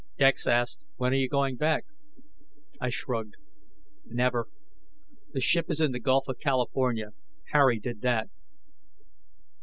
Dex asked, "When are you going back?" I shrugged. "Never. The ship is in the Gulf of California ... Harry did that."